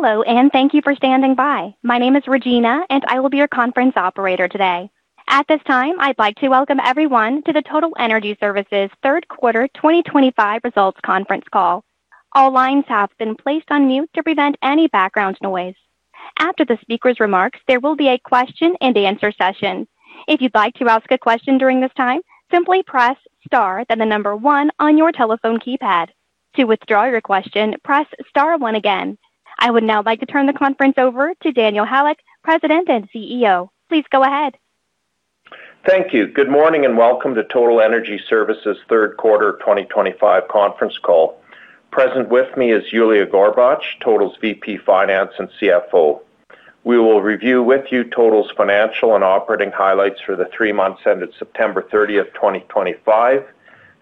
Hello, and thank you for standing by. My name is Regina, and I will be your conference operator today. At this time, I'd like to welcome everyone to the Total Energy Services third quarter 2025 results conference call. All lines have been placed on mute to prevent any background noise. After the speaker's remarks, there will be a question-and-answer session. If you'd like to ask a question during this time, simply press star, then the number one on your telephone keypad. To withdraw your question, press star one again. I would now like to turn the conference over to Daniel Halyk, President and CEO. Please go ahead. Thank you. Good morning and welcome to Total Energy Services third quarter 2025 conference call. Present with me is Yuiliya Gorbach, Total's VP Finance and CFO. We will review with you Total's financial and operating highlights for the three months ended September 30th, 2025,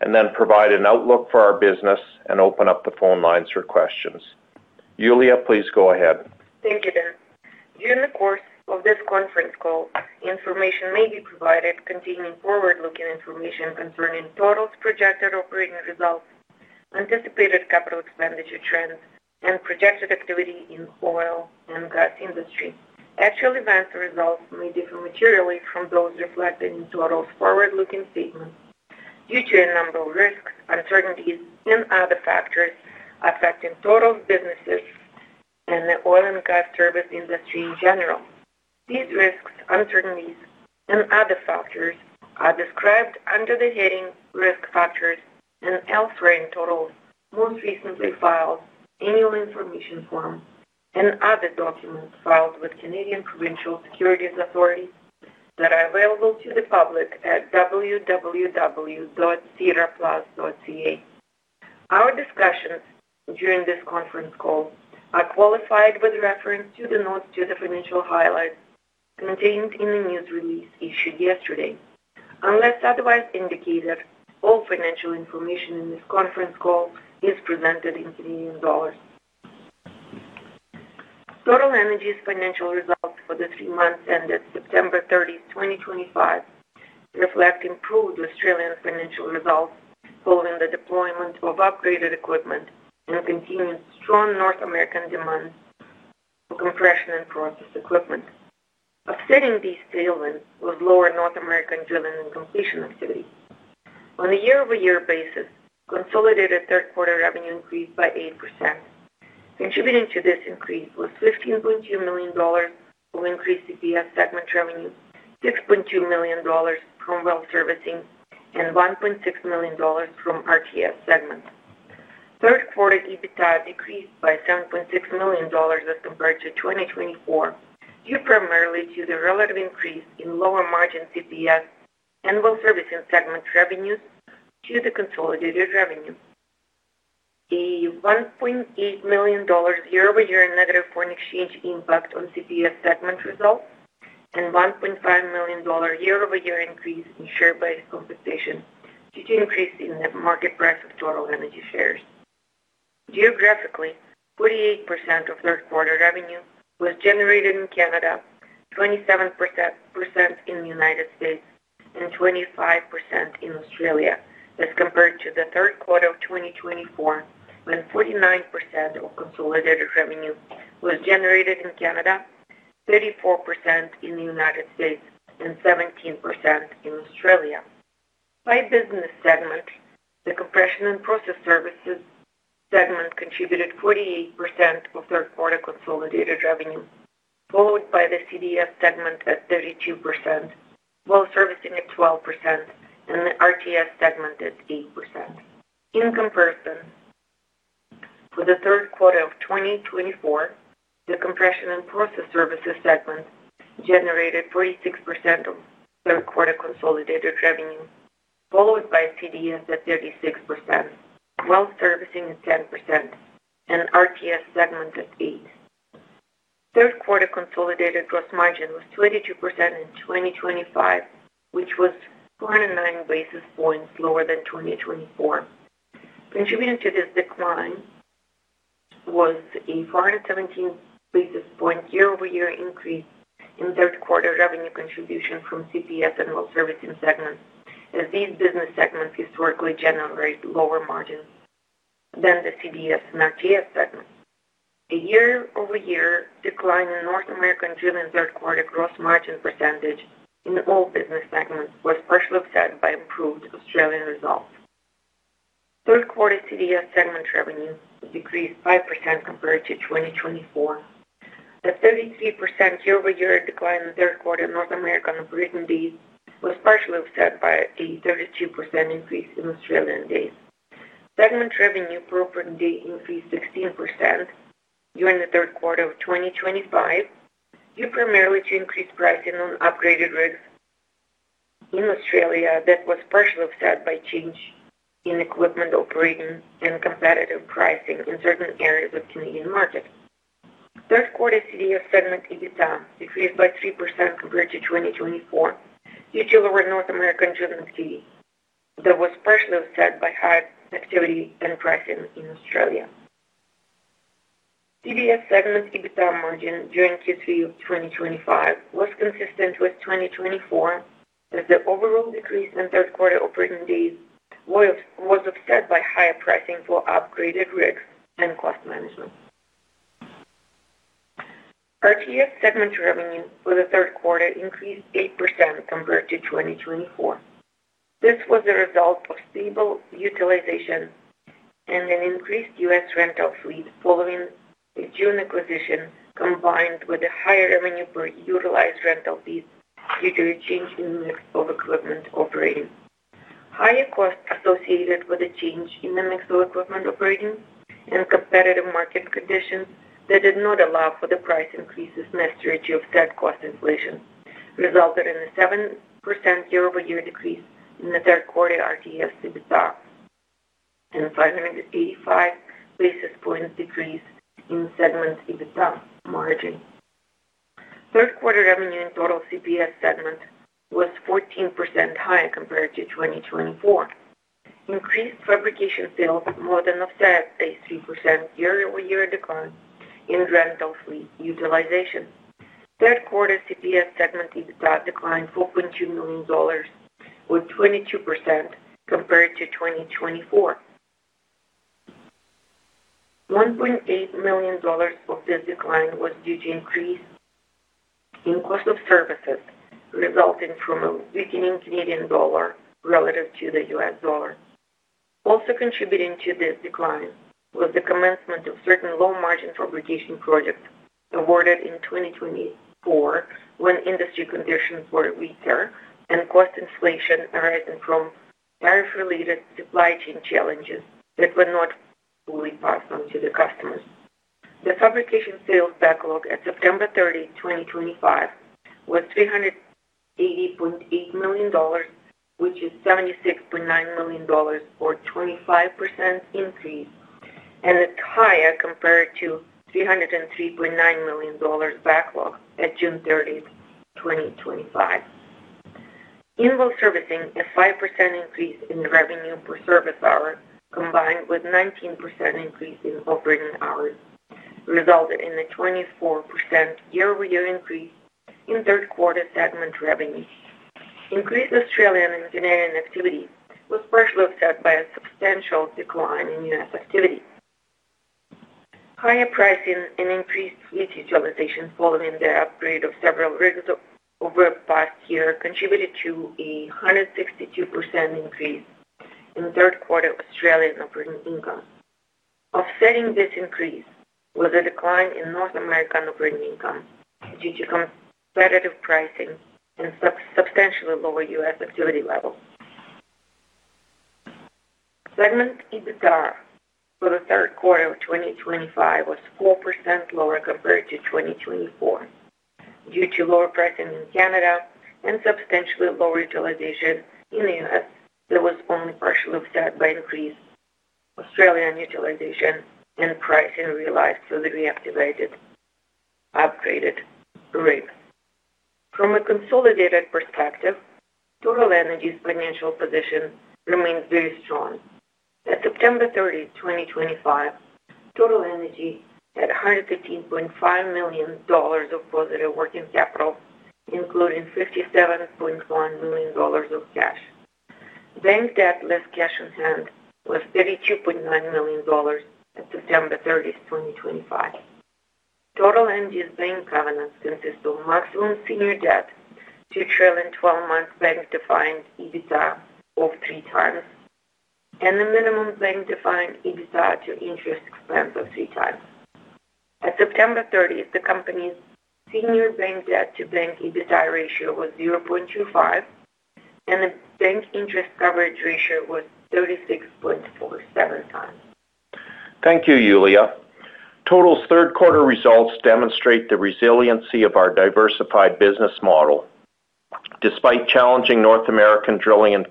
and then provide an outlook for our business and open up the phone lines for questions. Yuiliya, please go ahead. Thank you, Dan. During the course of this conference call, information may be provided containing forward-looking information concerning Total's projected operating results, anticipated capital expenditure trends, and projected activity in the oil and gas industry. Actual events and results may differ materially from those reflected in Total's forward-looking statement due to a number of risks, uncertainties, and other factors affecting Total's businesses and the oil and gas service industry in general. These risks, uncertainties, and other factors are described under the heading "Risk Factors" and elsewhere in Total's most recently filed annual information form and other documents filed with Canadian Provincial Securities Authority that are available to the public at www.sierraplas.ca. Our discussions during this conference call are qualified with reference to the notes to the financial highlights contained in the news release issued yesterday. Unless otherwise indicated, all financial information in this conference call is presented in CAD. Total Energy's financial results for the three months ended September 30, 2025, reflect improved Australian financial results following the deployment of upgraded equipment and continued strong North American demand for compression and process equipment. Upsetting these tailwinds was lower North American drilling and completion activity. On a year-over-year basis, consolidated third quarter revenue increased by 8%. Contributing to this increase was 15.2 million dollars of increase in CPS segment revenue, 6.2 million dollars from well servicing, and 1.6 million dollars from RTS segment. Third quarter EBITDA decreased by 7.6 million dollars as compared to 2024 due primarily to the relative increase in lower margin CPS and well servicing segment revenues due to consolidated revenue. A 1.8 million dollar year-over-year negative foreign exchange impact on CPS segment results and 1.5 million dollar year-over-year increase in share-based compensation due to increase in net market price of Total Energy shares. Geographically, 48% of third quarter revenue was generated in Canada, 27% in the United States, and 25% in Australia as compared to the third quarter of 2024 when 49% of consolidated revenue was generated in Canada, 34% in the United States, and 17% in Australia. By business segment, the Compression and Process Services segment contributed 48% of third quarter consolidated revenue, followed by the CDS segment at 32%, Well Servicing at 12%, and the RTS segment at 8%. In comparison, for the third quarter of 2024, the Compression and Process Services segment generated 46% of third quarter consolidated revenue, followed by CDS at 36%, Well Servicing at 10%, and RTS segment at 8%. Third quarter consolidated gross margin was 22% in 2025, which was 409 basis points lower than 2024. Contributing to this decline was a 417 basis point year-over-year increase in third quarter revenue contribution from CPS and Well Servicing segment, as these business segments historically generate lower margins than the CDS and RTS segments. A year-over-year decline in North American drilling third quarter gross margin percentage in all business segments was partially offset by improved Australian results. Third quarter CDS segment revenue decreased 5% compared to 2024. A 33% year-over-year decline in third quarter North American operating days was partially offset by a 32% increase in Australian days. Segment revenue per operating day increased 16% during the third quarter of 2025 due primarily to increased pricing on upgraded rigs in Australia that was partially offset by change in equipment operating and competitive pricing in certain areas of Canadian market. Third quarter CDS segment EBITDA decreased by 3% compared to 2024 due to lower North American drilling fee that was partially offset by high activity and pricing in Australia. CDS segment EBITDA margin during Q3 of 2025 was consistent with 2024, as the overall decrease in third quarter operating days was offset by higher pricing for upgraded rigs and cost management. RTS segment revenue for the third quarter increased 8% compared to 2024. This was the result of stable utilization and an increased U.S. rental fleet following a June acquisition, combined with a higher revenue per utilized rental fee due to a change in mix of equipment operating. Higher costs associated with the change in the mix of equipment operating and competitive market conditions that did not allow for the price increases necessary to offset cost inflation resulted in a 7% year-over-year decrease in the third quarter RTS EBITDA and 585 basis points decrease in segment EBITDA margin. Third quarter revenue in Total CPS segment was 14% higher compared to 2024. Increased fabrication sales more than offset a 3% year-over-year decline in rental fleet utilization. Third quarter CPS segment EBITDA declined 4.2 million dollars with 22% compared to 2024. 1.8 million dollars of this decline was due to increase in cost of services resulting from a weakening Canadian dollar relative to the U. S. dollar. Also contributing to this decline was the commencement of certain low margin fabrication projects awarded in 2024 when industry conditions were weaker and cost inflation arising from tariff-related supply chain challenges that were not fully passed on to the customers. The fabrication sales backlog at September 30, 2025, was 380.8 million dollars, which is a 76.9 million dollars or 25% increase, and it's higher compared to the 303.9 million dollars backlog at June 30, 2025. In well servicing, a 5% increase in revenue per service hour combined with a 19% increase in operating hours resulted in a 24% year-over-year increase in third quarter segment revenue. Increased Australian and Canadian activity was partially offset by a substantial decline in U.S. activity. Higher pricing and increased fleet utilization following the upgrade of several rigs over the past year contributed to a 162% increase in third quarter Australian operating income. Offsetting this increase was a decline in North American operating income due to competitive pricing and substantially lower U.S. activity levels. Segment EBITDA for the third quarter of 2025 was 4% lower compared to 2024 due to lower pricing in Canada and substantially lower utilization in the U.S. that was only partially offset by increased Australian utilization and pricing realized for the reactivated upgraded rigs. From a consolidated perspective, Total Energy's financial position remained very strong. At September 30, 2025, Total Energy had 115.5 million dollars of positive working capital, including 57.1 million dollars of cash. Bank debt less cash on hand was 32.9 million dollars at September 30, 2025. Total Energy's bank covenants consist of maximum senior debt to trailing 12-month bank-defined EBITDA of three times and a minimum bank-defined EBITDA to interest expense of three times. At September 30, the company's senior bank debt to bank EBITDA ratio was 0.25x, and the bank interest coverage ratio was 36.47x. Thank you, Yuiliya. Total's third quarter results demonstrate the resiliency of our diversified business model. Despite challenging North American drilling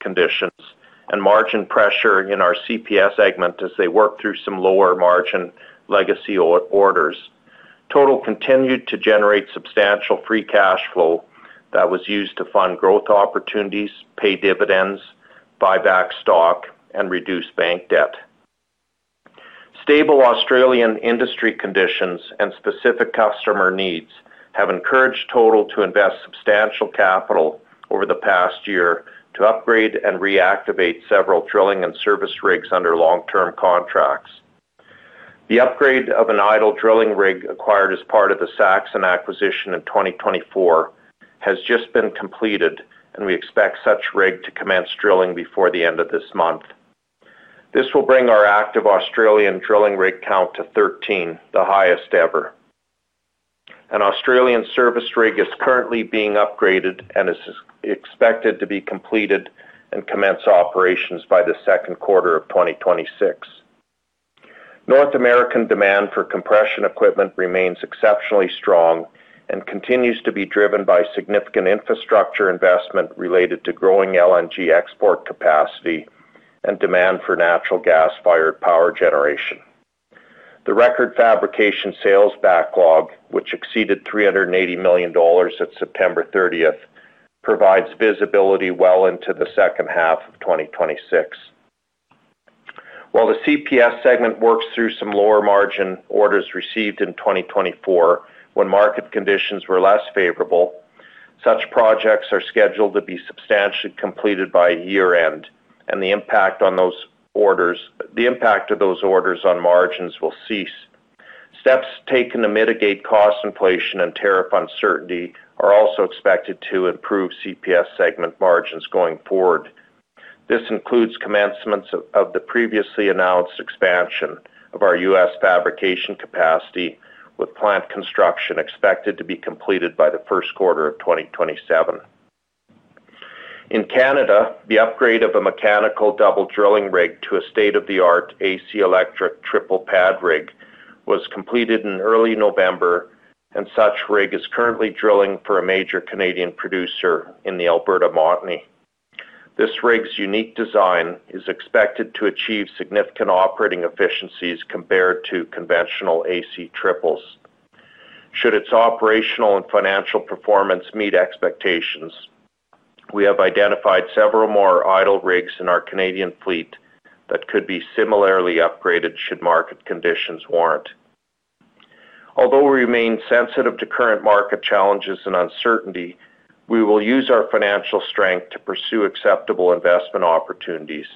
conditions and margin pressure in our CPS segment as they worked through some lower margin legacy orders, Total continued to generate substantial free cash flow that was used to fund growth opportunities, pay dividends, buy back stock, and reduce bank debt. Stable Australian industry conditions and specific customer needs have encouraged Total to invest substantial capital over the past year to upgrade and reactivate several drilling and service rigs under long-term contracts. The upgrade of an idle drilling rig acquired as part of the Saxon acquisition in 2024 has just been completed, and we expect such rig to commence drilling before the end of this month. This will bring our active Australian drilling rig count to 13, the highest ever. An Australian service rig is currently being upgraded and is expected to be completed and commence operations by the second quarter of 2026. North American demand for compression equipment remains exceptionally strong and continues to be driven by significant infrastructure investment related to growing LNG export capacity and demand for natural gas-fired power generation. The record fabrication sales backlog, which exceeded 380 million dollars at September 30th, provides visibility well into the second half of 2026. While the CPS segment works through some lower margin orders received in 2024 when market conditions were less favorable, such projects are scheduled to be substantially completed by year-end, and the impact of those orders on margins will cease. Steps taken to mitigate cost inflation and tariff uncertainty are also expected to improve CPS segment margins going forward. This includes commencement of the previously announced expansion of our U.S. fabrication capacity, with plant construction expected to be completed by the first quarter of 2027. In Canada, the upgrade of a mechanical double drilling rig to a state-of-the-art AC electric triple pad rig was completed in early November, and such rig is currently drilling for a major Canadian producer in the Alberta Montney. This rig's unique design is expected to achieve significant operating efficiencies compared to conventional AC triples. Should its operational and financial performance meet expectations, we have identified several more idle rigs in our Canadian fleet that could be similarly upgraded should market conditions warrant. Although we remain sensitive to current market challenges and uncertainty, we will use our financial strength to pursue acceptable investment opportunities.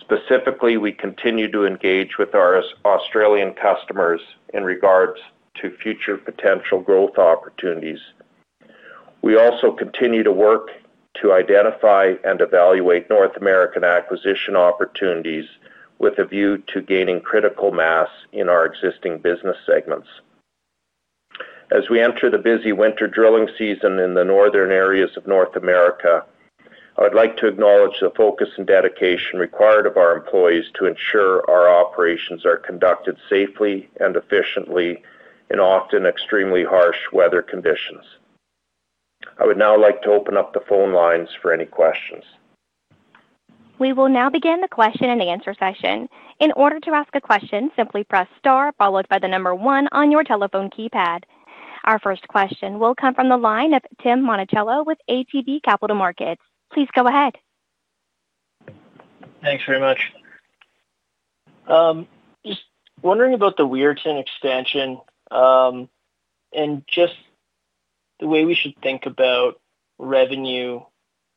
Specifically, we continue to engage with our Australian customers in regards to future potential growth opportunities. We also continue to work to identify and evaluate North American acquisition opportunities with a view to gaining critical mass in our existing business segments. As we enter the busy winter drilling season in the northern areas of North America, I would like to acknowledge the focus and dedication required of our employees to ensure our operations are conducted safely and efficiently in often extremely harsh weather conditions. I would now like to open up the phone lines for any questions. We will now begin the question-and-answer session. In order to ask a question, simply press star followed by the number one on your telephone keypad. Our first question will come from the line of Tim Monacello with ATB Capital Markets. Please go ahead. Thanks very much. Just wondering about the Weirton expansion and just the way we should think about revenue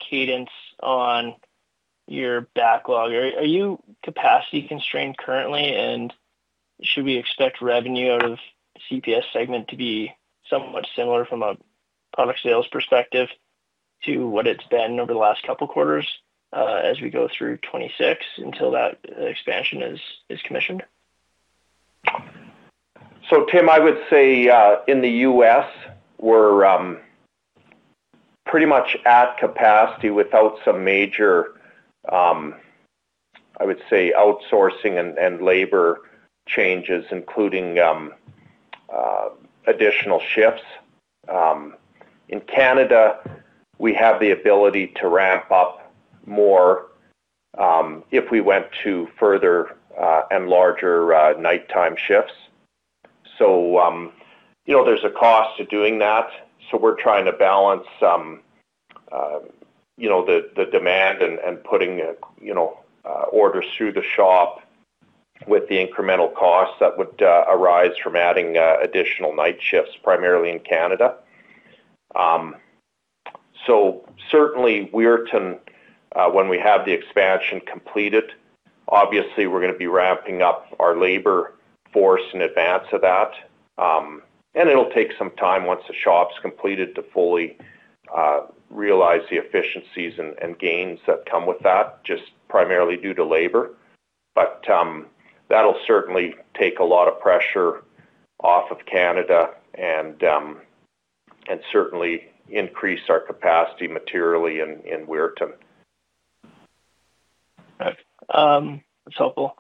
cadence on your backlog. Are you capacity constrained currently, and should we expect revenue out of the CPS segment to be somewhat similar from a product sales perspective to what it's been over the last couple of quarters as we go through 2026 until that expansion is commissioned? Tim, I would say in the U.S., we're pretty much at capacity without some major, I would say, outsourcing and labor changes, including additional shifts. In Canada, we have the ability to ramp up more if we went to further and larger nighttime shifts. There's a cost to doing that. We're trying to balance the demand and putting orders through the shop with the incremental costs that would arise from adding additional night shifts primarily in Canada. Certainly, Weirton, when we have the expansion completed, obviously, we're going to be ramping up our labor force in advance of that. It'll take some time once the shop's completed to fully realize the efficiencies and gains that come with that, just primarily due to labor. That'll certainly take a lot of pressure off of Canada and certainly increase our capacity materially in Weirton. That's helpful.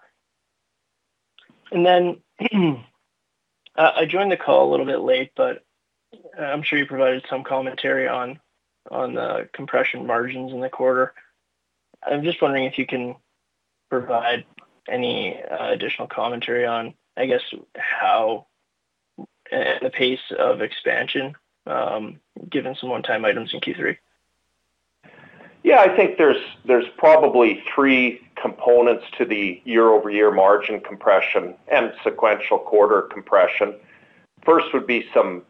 I joined the call a little bit late, but I'm sure you provided some commentary on the compression margins in the quarter. I'm just wondering if you can provide any additional commentary on, I guess, how the pace of expansion given some one-time items in Q3. Yeah, I think there's probably three components to the year-over-year margin compression and sequential quarter compression. First would be some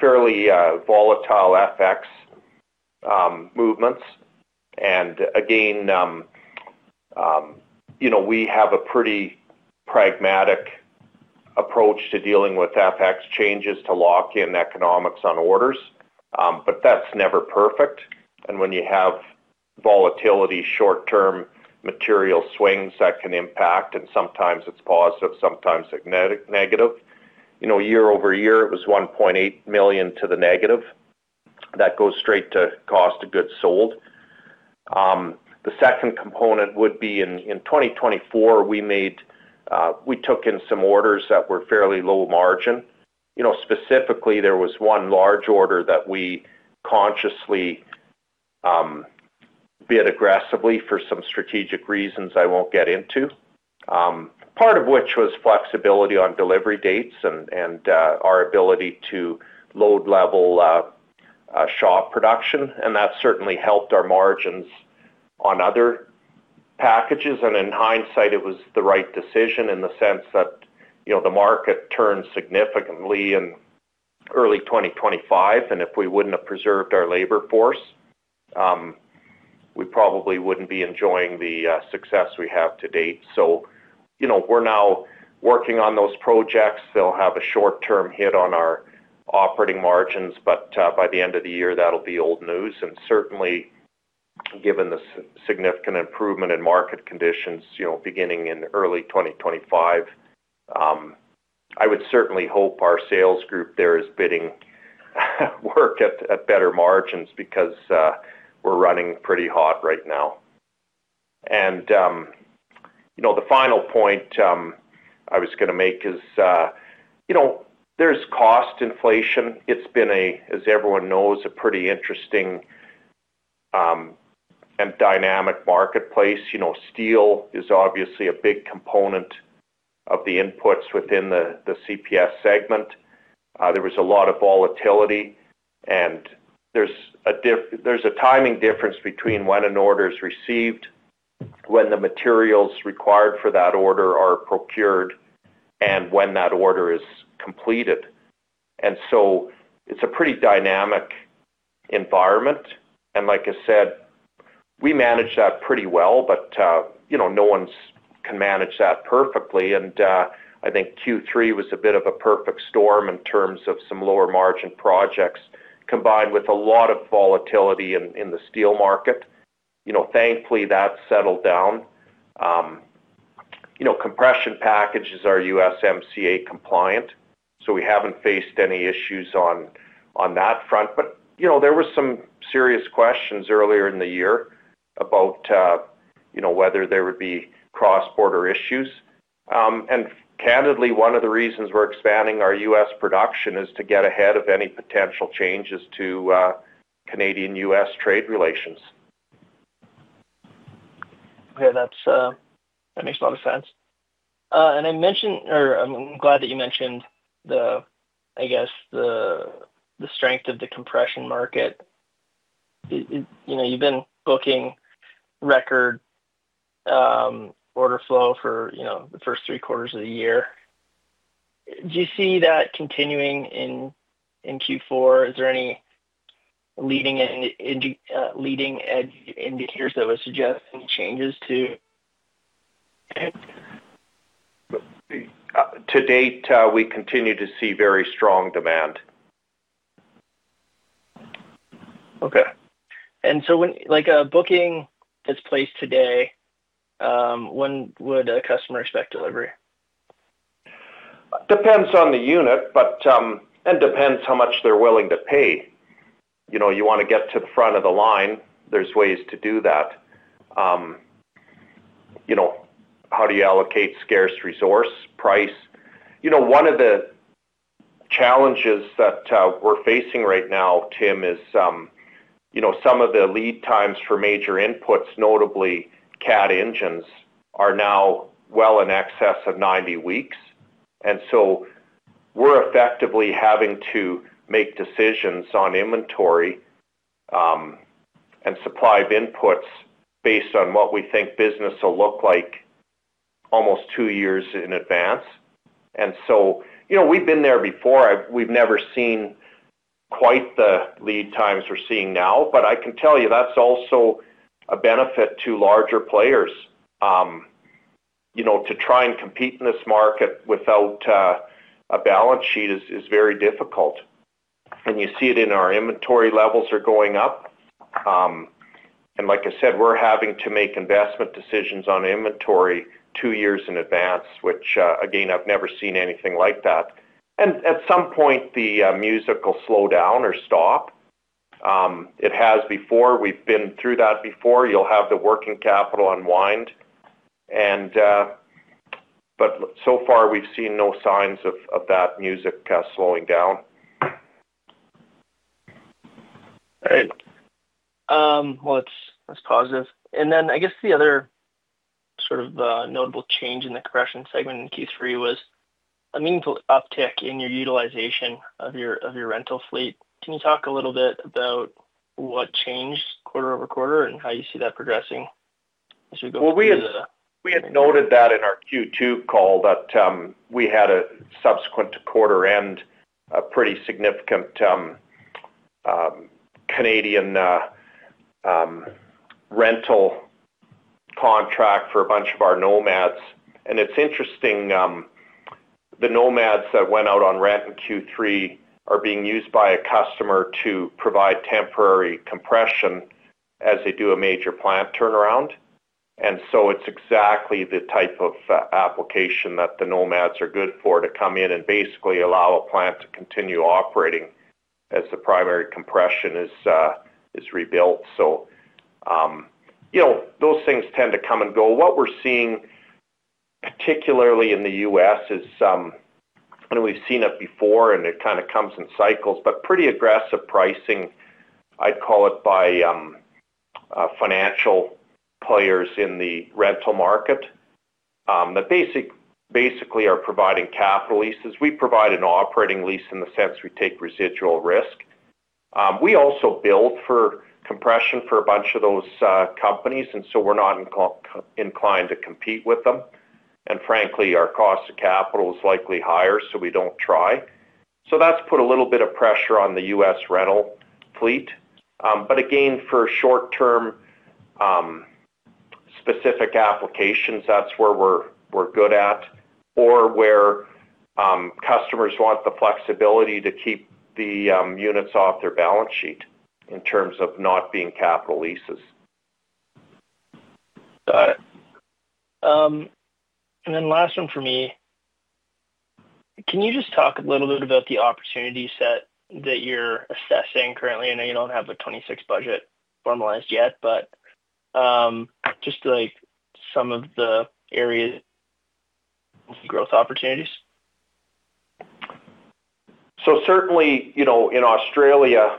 fairly volatile FX movements. Again, we have a pretty pragmatic approach to dealing with FX changes to lock in economics on orders, but that's never perfect. When you have volatility, short-term material swings can impact, and sometimes it's positive, sometimes it's negative. Year-over-year, it was 1.8 million to the negative. That goes straight to cost of goods sold. The second component would be in 2024, we took in some orders that were fairly low margin. Specifically, there was one large order that we consciously bid aggressively for some strategic reasons I won't get into, part of which was flexibility on delivery dates and our ability to load-level shop production. That certainly helped our margins on other packages. In hindsight, it was the right decision in the sense that the market turned significantly in early 2025. If we would not have preserved our labor force, we probably would not be enjoying the success we have to date. We are now working on those projects. They will have a short-term hit on our operating margins, but by the end of the year, that will be old news. Certainly, given the significant improvement in market conditions beginning in early 2025, I would certainly hope our sales group there is bidding work at better margins because we are running pretty hot right now. The final point I was going to make is there is cost inflation. It has been, as everyone knows, a pretty interesting and dynamic marketplace. Steel is obviously a big component of the inputs within the CPS segment. There was a lot of volatility, and there is a timing difference between when an order is received, when the materials required for that order are procured, and when that order is completed. It is a pretty dynamic environment. Like I said, we manage that pretty well, but no one can manage that perfectly. I think Q3 was a bit of a perfect storm in terms of some lower margin projects combined with a lot of volatility in the steel market. Thankfully, that settled down. Compression packages are USMCA compliant, so we have not faced any issues on that front. There were some serious questions earlier in the year about whether there would be cross-border issues. Candidly, one of the reasons we are expanding our U.S. production is to get ahead of any potential changes to Canadian-U.S. trade relations. Okay, that makes a lot of sense. I'm glad that you mentioned, I guess, the strength of the compression market. You've been booking record order flow for the first three quarters of the year. Do you see that continuing in Q4? Is there any leading edge indicators that would suggest any changes to? To date, we continue to see very strong demand. Okay. And so booking that's placed today, when would a customer expect delivery? Depends on the unit and depends how much they're willing to pay. You want to get to the front of the line. There are ways to do that. How do you allocate scarce resource price? One of the challenges that we're facing right now, Tim, is some of the lead times for major inputs, notably CAD engines, are now well in excess of 90 weeks. We are effectively having to make decisions on inventory and supply of inputs based on what we think business will look like almost two years in advance. We have been there before. We have never seen quite the lead times we are seeing now. I can tell you that is also a benefit to larger players. To try and compete in this market without a balance sheet is very difficult. You see it in our inventory levels are going up. Like I said, we're having to make investment decisions on inventory two years in advance, which, again, I've never seen anything like that. At some point, the music will slow down or stop. It has before. We've been through that before. You'll have the working capital unwind. So far, we've seen no signs of that music slowing down. All right. That is positive. I guess the other sort of notable change in the compression segment in Q3 was a meaningful uptick in your utilization of your rental fleet. Can you talk a little bit about what changed quarter over quarter and how you see that progressing as we go through the? We had noted that in our Q2 call that we had, subsequent to quarter-end, a pretty significant Canadian rental contract for a bunch of our Nomads. It is interesting, the Nomads that went out on rent in Q3 are being used by a customer to provide temporary compression as they do a major plant turnaround. It is exactly the type of application that the Nomads are good for, to come in and basically allow a plant to continue operating as the primary compression is rebuilt. Those things tend to come and go. What we are seeing, particularly in the U.S., is we have seen it before, and it kind of comes in cycles, but pretty aggressive pricing, I would call it, by financial players in the rental market that basically are providing capital leases. We provide an operating lease in the sense we take residual risk. We also build for compression for a bunch of those companies, and we are not inclined to compete with them. Frankly, our cost of capital is likely higher, so we do not try. That has put a little bit of pressure on the U.S. rental fleet. Again, for short-term specific applications, that is where we are good at or where customers want the flexibility to keep the units off their balance sheet in terms of not being capital leases. Got it. Last one for me. Can you just talk a little bit about the opportunities that you're assessing currently? I know you don't have a 2026 budget formalized yet, but just some of the areas of growth opportunities. Certainly, in Australia,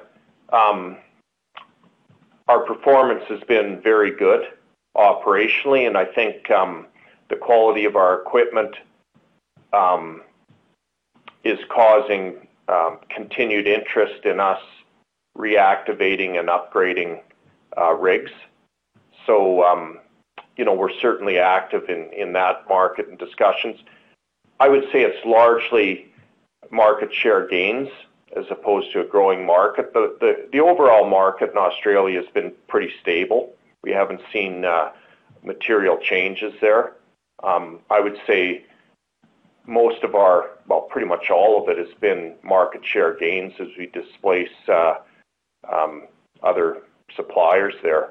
our performance has been very good operationally. I think the quality of our equipment is causing continued interest in us reactivating and upgrading rigs. We are certainly active in that market and discussions. I would say it is largely market share gains as opposed to a growing market. The overall market in Australia has been pretty stable. We have not seen material changes there. I would say most of our, well, pretty much all of it has been market share gains as we displace other suppliers there.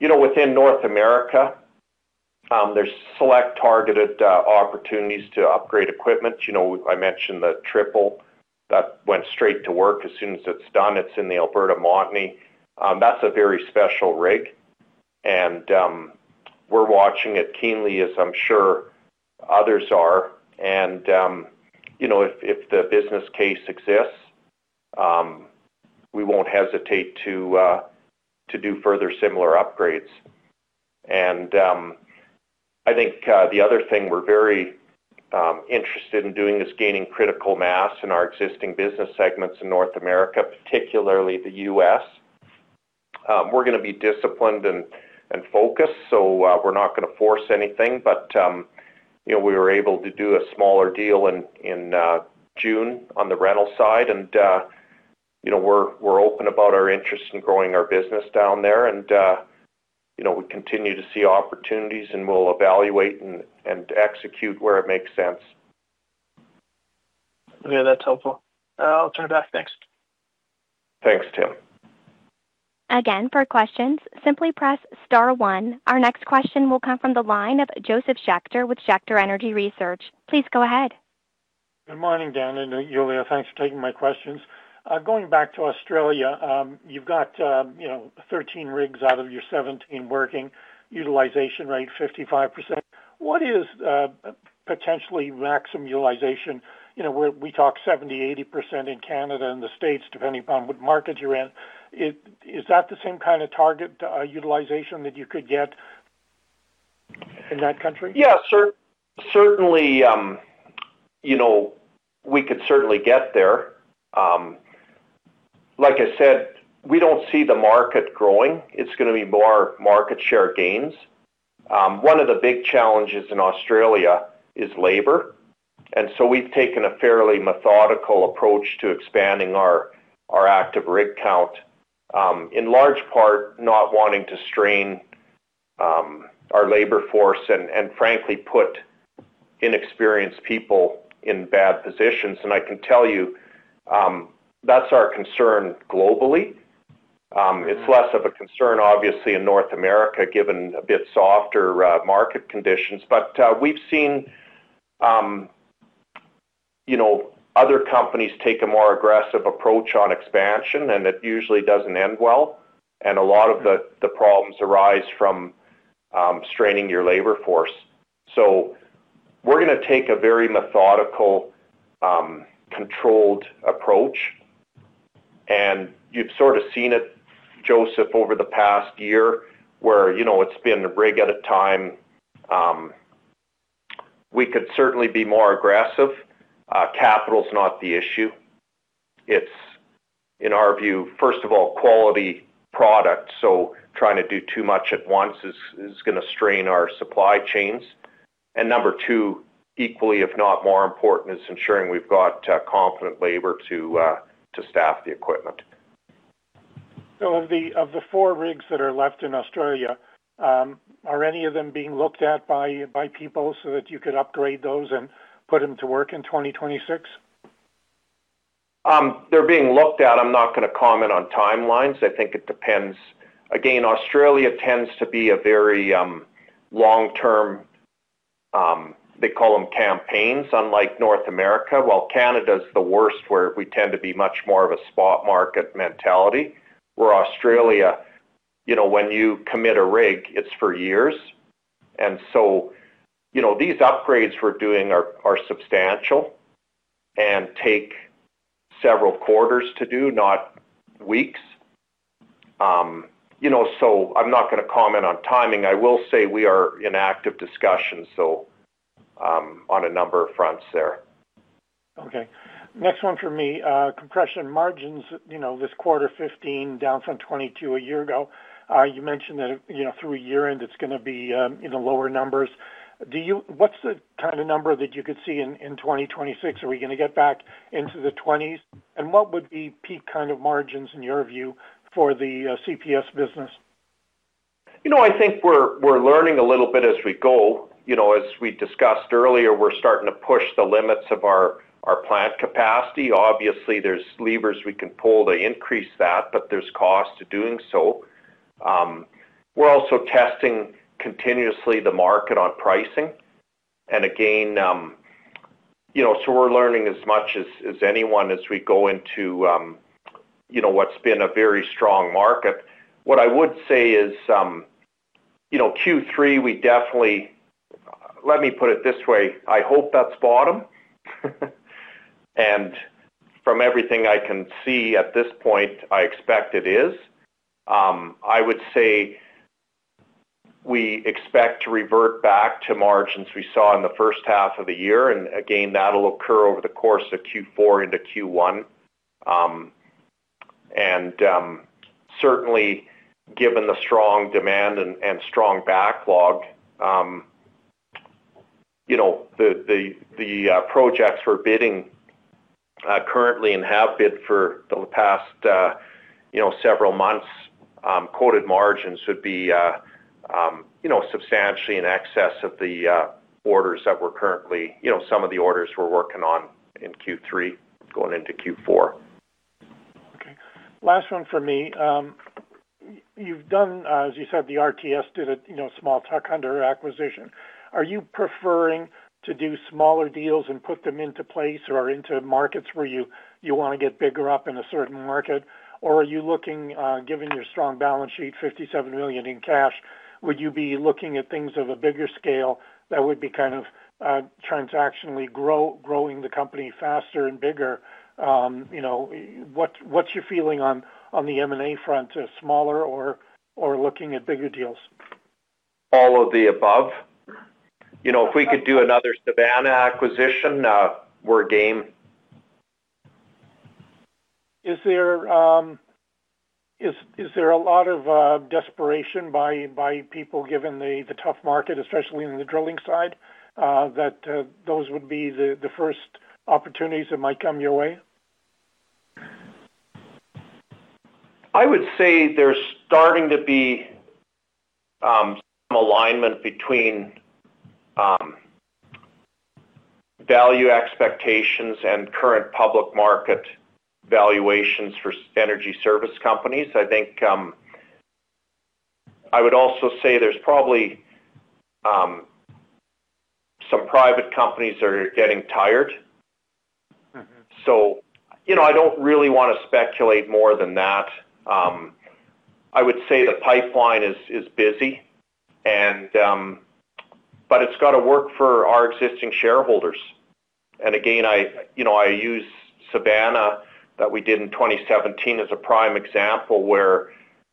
Within North America, there are select targeted opportunities to upgrade equipment. I mentioned the Triple that went straight to work as soon as it was done. It is in the Alberta Montney. That is a very special rig. We are watching it keenly, as I am sure others are. If the business case exists, we will not hesitate to do further similar upgrades. I think the other thing we're very interested in doing is gaining critical mass in our existing business segments in North America, particularly the U.S. We're going to be disciplined and focused, so we're not going to force anything. We were able to do a smaller deal in June on the rental side. We're open about our interest in growing our business down there. We continue to see opportunities, and we'll evaluate and execute where it makes sense. Okay, that's helpful. I'll turn it back next. Thanks, Tim. Again, for questions, simply press star one. Our next question will come from the line of Joseph Schachter with Schachter Energy Research. Please go ahead. Good morning, Daniel and Yuliya, thanks for taking my questions. Going back to Australia, you've got 13 rigs out of your 17 working, utilization rate 55%. What is potentially maximum utilization? We talk 70%-80% in Canada and the States, depending upon what market you're in. Is that the same kind of target utilization that you could get in that country? Yeah, certainly. We could certainly get there. Like I said, we do not see the market growing. It is going to be more market share gains. One of the big challenges in Australia is labor. We have taken a fairly methodical approach to expanding our active rig count, in large part not wanting to strain our labor force and, frankly, put inexperienced people in bad positions. I can tell you that is our concern globally. It is less of a concern, obviously, in North America given a bit softer market conditions. We have seen other companies take a more aggressive approach on expansion, and it usually does not end well. A lot of the problems arise from straining your labor force. We are going to take a very methodical controlled approach. You have sort of seen it, Joseph, over the past year where it has been rig at a time. We could certainly be more aggressive. Capital is not the issue. It's, in our view, first of all, quality product. Trying to do too much at once is going to strain our supply chains. Number two, equally, if not more important, is ensuring we've got confident labor to staff the equipment. Of the four rigs that are left in Australia, are any of them being looked at by people so that you could upgrade those and put them to work in 2026? They're being looked at. I'm not going to comment on timelines. I think it depends. Again, Australia tends to be a very long-term—they call them campaigns, unlike North America. Canada is the worst where we tend to be much more of a spot market mentality where Australia, when you commit a rig, it's for years. And so these upgrades we're doing are substantial and take several quarters to do, not weeks. I'm not going to comment on timing. I will say we are in active discussion, so on a number of fronts there. Okay. Next one for me, compression margins this quarter, 15%, down from 22% a year ago. You mentioned that through year-end, it's going to be in the lower numbers. What's the kind of number that you could see in 2026? Are we going to get back into the 20%s? What would be peak kind of margins in your view for the CPS business? I think we're learning a little bit as we go. As we discussed earlier, we're starting to push the limits of our plant capacity. Obviously, there are levers we can pull to increase that, but there is cost to doing so. We're also testing continuously the market on pricing. Again, we're learning as much as anyone as we go into what has been a very strong market. What I would say is Q3, we definitely—let me put it this way—I hope that is bottom. From everything I can see at this point, I expect it is. I would say we expect to revert back to margins we saw in the first half of the year. Again, that will occur over the course of Q4 into Q1. Certainly, given the strong demand and strong backlog, the projects we are bidding currently and have bid for the past several months, quoted margins would be substantially in excess of the orders that we are currently—some of the orders we are working on in Q3 going into Q4. Okay. Last one for me. You've done, as you said, the RTS did a small tuck under acquisition. Are you preferring to do smaller deals and put them into place or into markets where you want to get bigger up in a certain market? Or are you looking, given your strong balance sheet, 57 million in cash, would you be looking at things of a bigger scale that would be kind of transactionally growing the company faster and bigger? What's your feeling on the M&A front, smaller or looking at bigger deals? All of the above. If we could do another Savanna acquisition, we're game. Is there a lot of desperation by people given the tough market, especially in the drilling side, that those would be the first opportunities that might come your way? I would say there's starting to be some alignment between value expectations and current public market valuations for energy service companies. I think I would also say there's probably some private companies that are getting tired. I don't really want to speculate more than that. I would say the pipeline is busy, but it's got to work for our existing shareholders. I use Savanna that we did in 2017 as a prime example where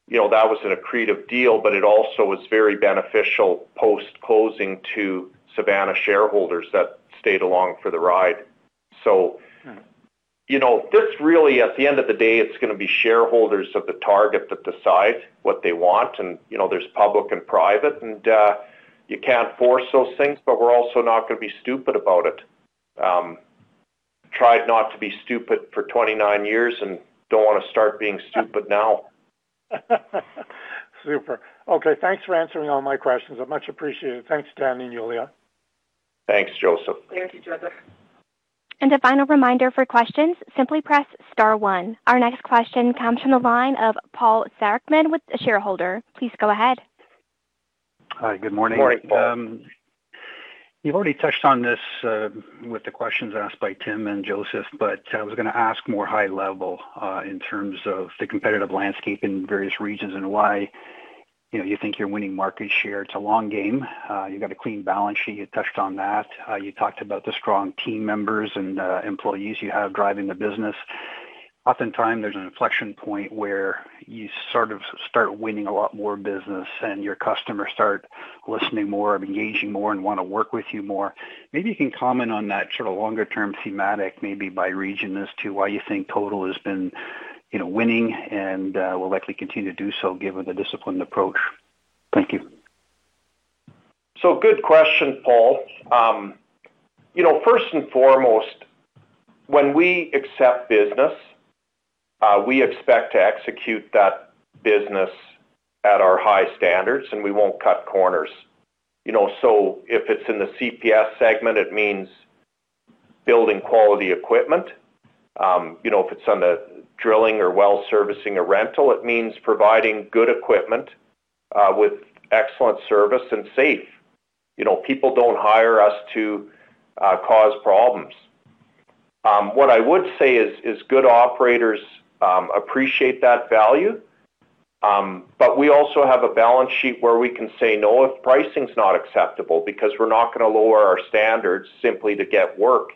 that was an accretive deal, but it also was very beneficial post-closing to Savanna shareholders that stayed along for the ride. This really, at the end of the day, it's going to be shareholders of the target that decide what they want. There's public and private, and you can't force those things, but we're also not going to be stupid about it. Tried not to be stupid for 29 years and don't want to start being stupid now. Super. Okay. Thanks for answering all my questions. I much appreciate it. Thanks, Daniel. Thanks, Joseph. Thank you, Joseph. A final reminder for questions, simply press star one. Our next question comes from the line of Paul Tharkman with the shareholder. Please go ahead. Hi. Good morning, Paul. Morning, Paul. You've already touched on this with the questions asked by Tim and Joseph, but I was going to ask more high-level in terms of the competitive landscape in various regions and why you think you're winning market share. It's a long game. You've got a clean balance sheet. You touched on that. You talked about the strong team members and employees you have driving the business. Oftentimes, there's an inflection point where you sort of start winning a lot more business, and your customers start listening more, engaging more, and want to work with you more. Maybe you can comment on that sort of longer-term thematic, maybe by region as to why you think Total has been winning and will likely continue to do so given the disciplined approach. Thank you. Good question, Paul. First and foremost, when we accept business, we expect to execute that business at our high standards, and we won't cut corners. If it's in the CPS segment, it means building quality equipment. If it's on the drilling or well servicing or rental, it means providing good equipment with excellent service and safe. People don't hire us to cause problems. What I would say is good operators appreciate that value, but we also have a balance sheet where we can say no if pricing is not acceptable because we're not going to lower our standards simply to get work.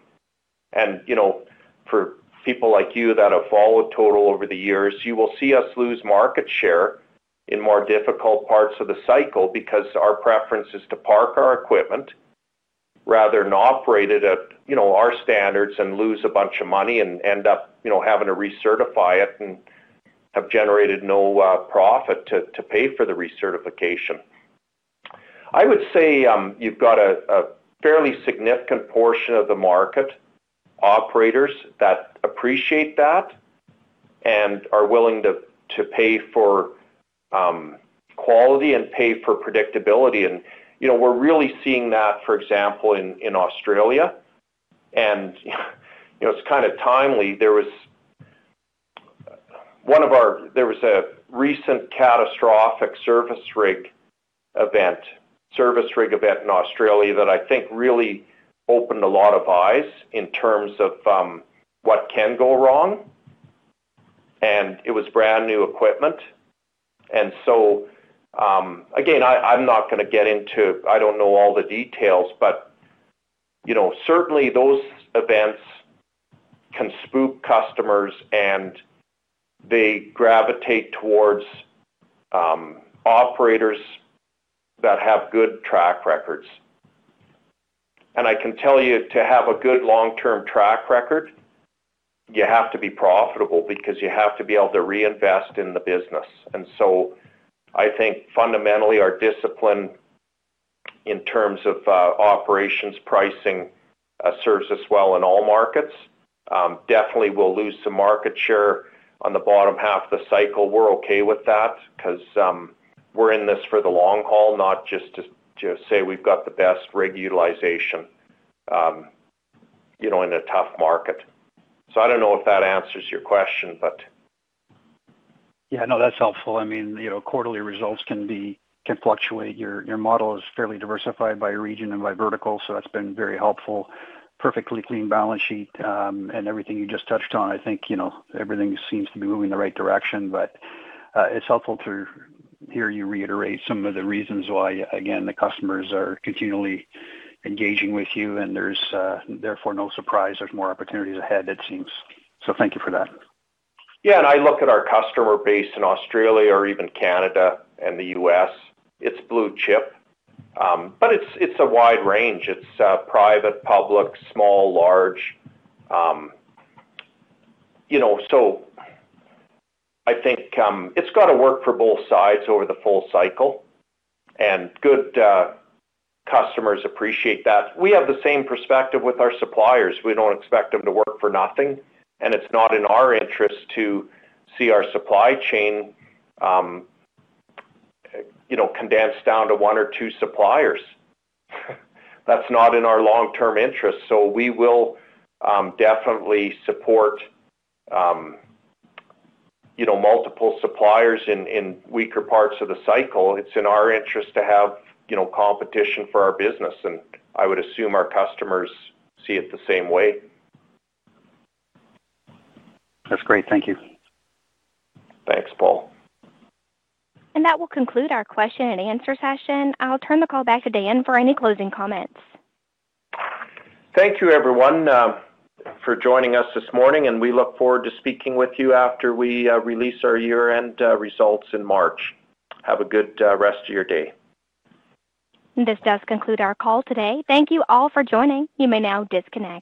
For people like you that have followed Total over the years, you will see us lose market share in more difficult parts of the cycle because our preference is to park our equipment rather than operate it at our standards and lose a bunch of money and end up having to recertify it and have generated no profit to pay for the recertification. I would say you've got a fairly significant portion of the market operators that appreciate that and are willing to pay for quality and pay for predictability. We're really seeing that, for example, in Australia. It is kind of timely. There was a recent catastrophic service rig event, service rig event in Australia that I think really opened a lot of eyes in terms of what can go wrong. It was brand new equipment. Again, I'm not going to get into—I don't know all the details, but certainly those events can spook customers, and they gravitate towards operators that have good track records. I can tell you, to have a good long-term track record, you have to be profitable because you have to be able to reinvest in the business. I think fundamentally our discipline in terms of operations pricing serves us well in all markets. Definitely, we'll lose some market share on the bottom half of the cycle. We're okay with that because we're in this for the long haul, not just to say we've got the best rig utilization in a tough market. I don't know if that answers your question, but. Yeah. No, that's helpful. I mean, quarterly results can fluctuate. Your model is fairly diversified by region and by vertical, so that's been very helpful. Perfectly clean balance sheet and everything you just touched on. I think everything seems to be moving in the right direction, but it's helpful to hear you reiterate some of the reasons why, again, the customers are continually engaging with you. There is therefore no surprise. There are more opportunities ahead, it seems. Thank you for that. Yeah. I look at our customer base in Australia or even Canada and the U.S. It is blue chip, but it is a wide range. It is private, public, small, large. I think it has got to work for both sides over the full cycle. Good customers appreciate that. We have the same perspective with our suppliers. We do not expect them to work for nothing. It is not in our interest to see our supply chain condensed down to one or two suppliers. That is not in our long-term interest. We will definitely support multiple suppliers in weaker parts of the cycle. It is in our interest to have competition for our business. I would assume our customers see it the same way. That's great. Thank you. Thanks, Paul. That will conclude our question and answer session. I'll turn the call back to Dan for any closing comments. Thank you, everyone, for joining us this morning. We look forward to speaking with you after we release our year-end results in March. Have a good rest of your day. This does conclude our call today. Thank you all for joining. You may now disconnect.